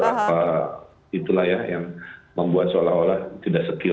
apa itulah ya yang membuat seolah olah tidak sekill